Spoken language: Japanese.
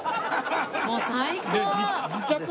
もう最高！